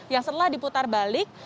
yang setelah diputar balik